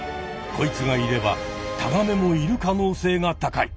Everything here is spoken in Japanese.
こいつがいればタガメもいる可能性が高い。